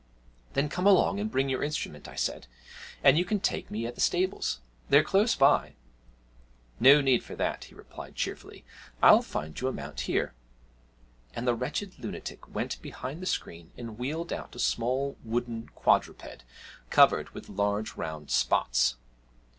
'Then come along and bring your instrument,' I said, 'and you can take me at the stables; they're close by.' 'No need for that,' he replied cheerfully. 'I'll find you a mount here.' And the wretched lunatic went behind the screen and wheeled out a small wooden quadruped covered with large round spots!